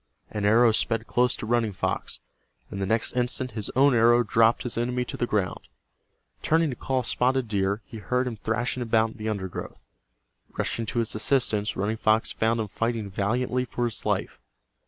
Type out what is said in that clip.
An arrow sped close to Running Fox, and the next instant his own arrow dropped his enemy to the ground. Turning to call Spotted Deer, he heard him thrashing about in the undergrowth. Rushing to his assistance, Running Fox found him fighting valiantly for his life.